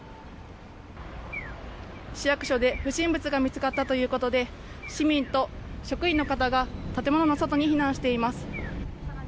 市役所で不審物が見つかったということで市民と職員の方が建物の外に避難しています。